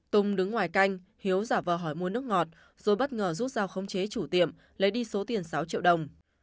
tùng đứng ngoài canh hiếu giả vờ hỏi mua nước ngọt rồi bất ngờ rút dao khống chế chủ tiệm lấy đi số tiền sáu triệu đồng